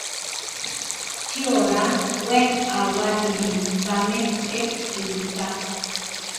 ¿Chi oláa we awátiri káme échi ripíká?